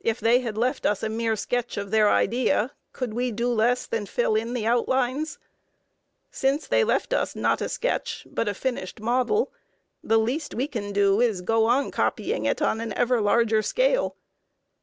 If they had left us a mere sketch of their idea, could we do less than fill in the outlines? Since they left us not a sketch, but a finished model, the least we can do is to go on copying it on an ever larger scale.